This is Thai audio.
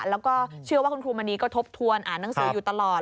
แล้วก็เชื่อว่าคุณครูมณีก็ทบทวนอ่านหนังสืออยู่ตลอด